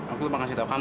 aku mau kasih tau kamu